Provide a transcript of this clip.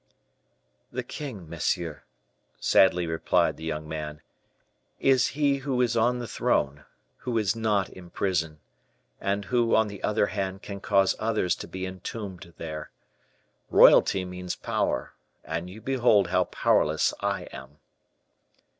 "The king, monsieur," sadly replied the young man, "is he who is on the throne, who is not in prison; and who, on the other hand, can cause others to be entombed there. Royalty means power; and you behold how powerless I am."